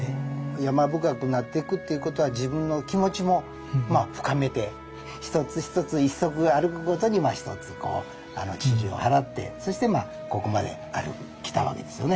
山深くなってくっていうことは自分の気持ちもまあ深めて一つ一つ一足歩くごとに一つちりを払ってそしてここまで歩いてきたわけですよね。